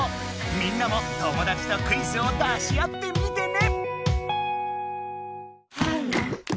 みんなも友だちとクイズを出し合ってみてね。